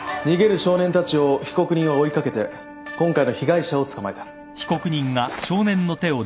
少年たちを被告人は追い掛けて今回の被害者を捕まえた。